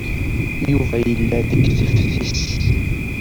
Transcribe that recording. Yuba yella deg teftist.